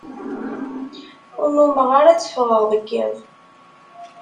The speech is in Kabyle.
Ur nnumeɣ ara tteffɣeɣ deg iḍ.